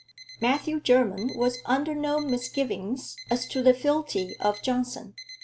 Matthew Jermyn was under no misgivings as to the fealty of Johnson.